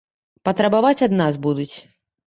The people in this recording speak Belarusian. Патрабаваць ад нас будуць.